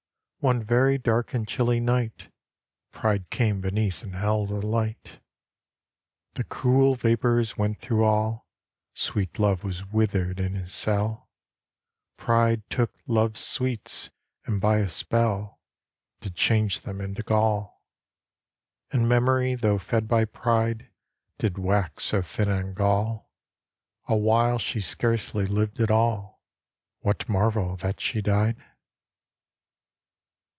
One very dark and chilly night Pride came beneath and held a light. The cruel vapours went through all, Sweet Love was withered in his cell; Pride took Love's sweets, and by a spell Did change them into gall; And Memory tho' fed by Pride Did wax so thin on gall, Awhile she scarcely lived at all, What marvel that she died?